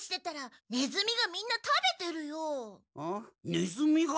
ネズミが？